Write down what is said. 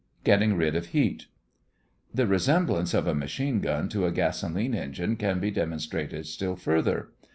GETTING RID OF HEAT The resemblance of a machine gun to a gasolene engine can be demonstrated still further.